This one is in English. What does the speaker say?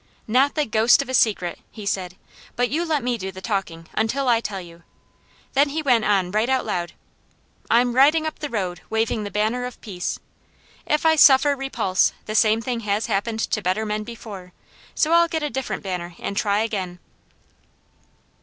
"Not the ghost of a secret!" he said. "But you let me do the talking, until I tell you." Then he went on right out loud: "I'm riding up the road waving the banner of peace. If I suffer repulse, the same thing has happened to better men before, so I'll get a different banner and try again."